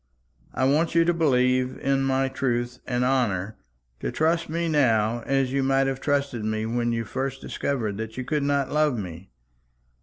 I want you to believe in my truth and honour, to trust me now as you might have trusted me when you first discovered that you could not love me.